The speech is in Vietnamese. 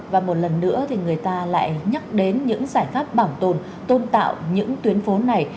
và một lần nữa thì người ta lại nhắc đến những giải pháp bảo tồn tôn tạo những tuyến phố này